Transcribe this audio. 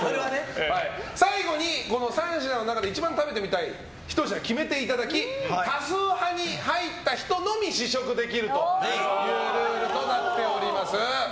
最後に３社の中で一番食べてみたいものを決めていただき多数派に入った人のみ試食できるというルールになっております。